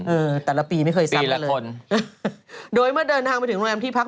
เออแต่ละปีไม่เคยตีละเลยคนโดยเมื่อเดินทางไปถึงโรงแรมที่พัก